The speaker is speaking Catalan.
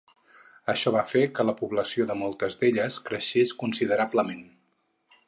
Això va fer que la població de moltes d'elles creixés considerablement.